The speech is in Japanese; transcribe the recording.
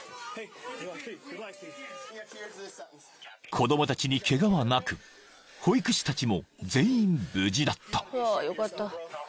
［子供たちにケガはなく保育士たちも全員無事だった］